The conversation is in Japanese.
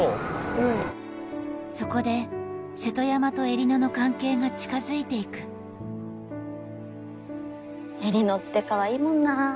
うんそこで瀬戸山と江里乃の関係が近づいていく江里乃ってかわいいもんなあ・